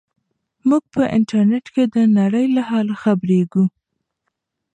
موږ په انټرنیټ کې د نړۍ له حاله خبریږو.